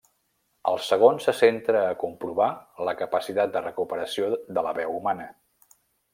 El segon se centra a comprovar la capacitat de recuperació de la veu humana.